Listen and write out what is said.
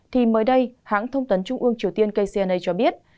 thì mới đây hãng thông tấn trung ương triều tiên kcna cho biết